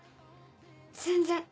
全然。